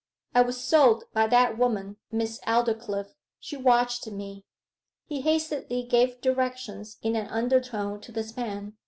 I was sold by that woman, Miss Aldclyffe she watched me.' He hastily gave directions in an undertone to this man.